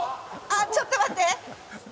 あっちょっと待って。